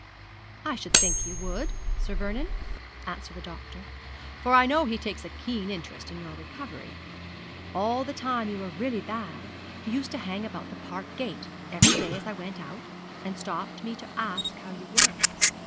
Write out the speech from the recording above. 'I should think he would. Sir Vernon,' answered the doctor; 'for I know he takes a keen interest in your recovery. All the time you were really bad he used to hang about the Park gate every day as I went out, and stopped me to ask how you were.